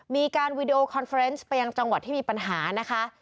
วีดีโอคอนเฟรนซ์ไปยังจังหวัดที่มีปัญหานะคะ